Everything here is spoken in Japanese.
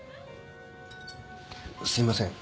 すいません。